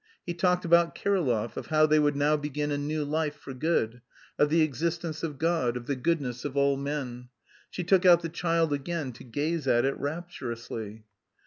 He talked about Kirillov, of how they would now begin "a new life" for good, of the existence of God, of the goodness of all men. ... She took out the child again to gaze at it rapturously.